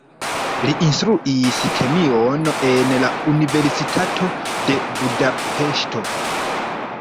Li instruis kemion en la universitato de Budapeŝto.